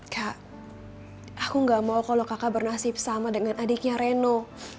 kak aku gak mau kalau kakak bernasib sama dengan adiknya reno